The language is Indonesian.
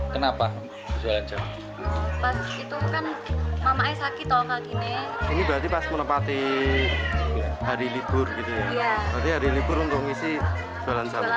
kenapa berjualan jamu